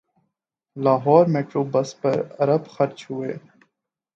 Lahore metro bus پر ارب خرچ ہوئے